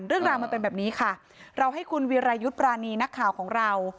เรื่องราวมันเป็นแบบนี้ค่ะเราให้คุณวิรายุทธ์ปรานีนักข่าวของเรา